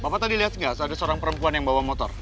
bapak tadi lihat nggak ada seorang perempuan yang bawa motor